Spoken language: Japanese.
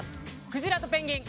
「クジラとペンギン」。